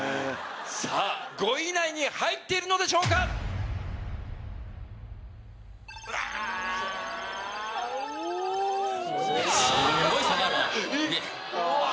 さぁ５位以内に入っているのでしょうか⁉すごい下がるなぁ。